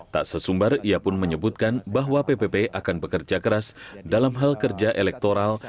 tak sesumbar ia pun menyebutkan bahwa ppp akan bekerja keras dalam hal kerja elektoral